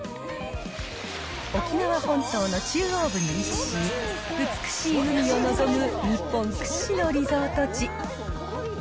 沖縄本島の中央部に位置し、美しい海を望む日本屈指のリゾート地。